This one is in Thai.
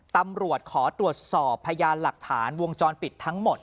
ตำรวจขอตรวจสอบพยานหลักฐานวงจรปิดทั้งหมด